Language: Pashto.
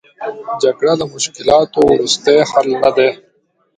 جګړه د مشکلاتو وروستۍ حل نه دی.